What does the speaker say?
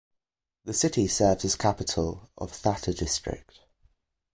The city serves as capital of Thatta District.